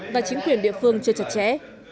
và chính quyền địa phương chưa chặt chẽ